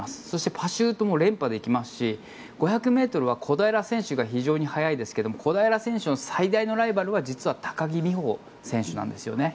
そして、パシュートも連覇できますし、５００ｍは小平選手が非常に速いですが小平選手の最大のライバルは実は高木美帆選手なんです。